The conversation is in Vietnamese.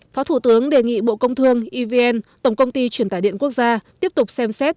phó thủ tướng đề nghị bộ công thương evn tổng công ty truyền tải điện quốc gia tiếp tục xem xét